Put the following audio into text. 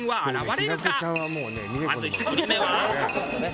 まず１人目は。